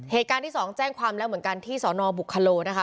เหตุการณ์ที่สองแจ้งความแล้วเหมือนกันที่สนบุคโลนะคะ